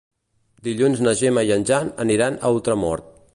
Dilluns na Gemma i en Jan aniran a Ultramort.